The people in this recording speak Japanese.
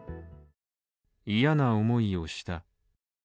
嫌な思いをした。